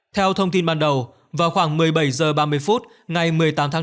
theo thông tin ban đầu vào khoảng một mươi bảy h ba mươi phút ngày một mươi tám tháng năm